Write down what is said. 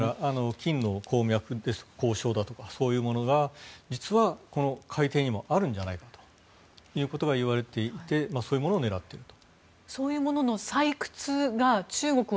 金の鉱床だとかそういうものが実はこの海底にもあるんじゃないかということがいわれていてそういうものを狙っていると。